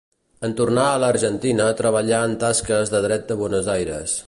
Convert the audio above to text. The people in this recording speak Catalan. En tornar a l'Argentina treballà en tasques de Dret a Buenos Aires.